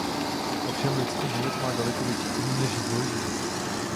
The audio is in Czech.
Ovšem lidský život má daleko větší cenu než zboží.